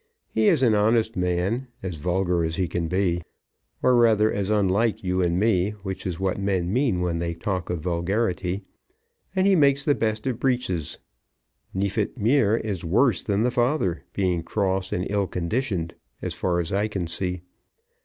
He is an honest man, as vulgar as he can be, or rather as unlike you and me, which is what men mean when they talk of vulgarity, and he makes the best of breeches. Neefit mère is worse than the father, being cross and ill conditioned, as far as I can see.